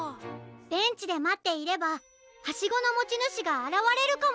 ベンチでまっていればハシゴのもちぬしがあらわれるかも！